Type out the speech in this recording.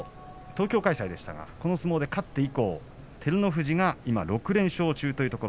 東京開催でしたがこの相撲で勝って以降照ノ富士が６連勝中です。